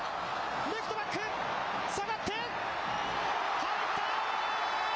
レフトバック、下がって、入ったー！